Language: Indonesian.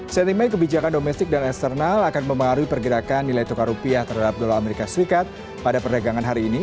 sentimen kebijakan domestik dan eksternal akan mempengaruhi pergerakan nilai tukar rupiah terhadap dolar amerika serikat pada perdagangan hari ini